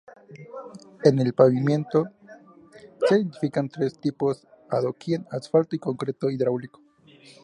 En el pavimento, se identifican tres tipos: adoquín, asfalto y concreto hidráulico.